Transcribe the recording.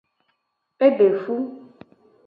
E de fu.